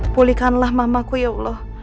pulihkanlah mamaku ya allah